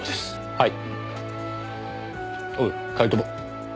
はい。